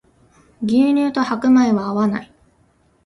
牛乳と白米は合わない